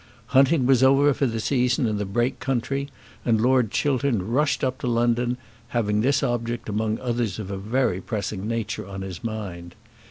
Hunting was over for the season in the Brake country, and Lord Chiltern rushed up to London, having this object among others of a very pressing nature on his mind.